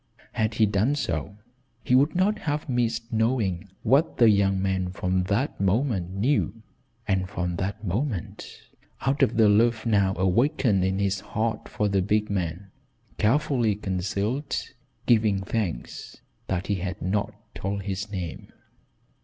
Had he done so, he would not have missed knowing what the young man from that moment knew, and from that moment, out of the love now awakened in his heart for the big man, carefully concealed, giving thanks that he had not told his name.